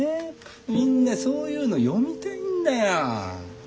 みんなそういうの読みたいんだよ。